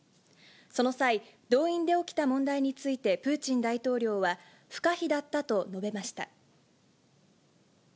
その際、動員で起きた問題について、プーチン大統領は、不可避だったと述べました。